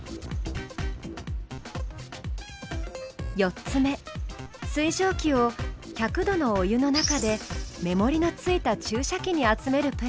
４つ目水蒸気を１００度のお湯の中で目盛りのついた注射器に集めるプラン。